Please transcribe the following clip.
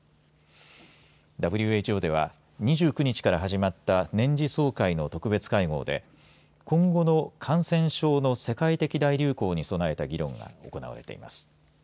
ＷＨＯでは２９日から始まった年次総会の特別会合で今後の感染症の世界的大流行に備えた議論が行われています。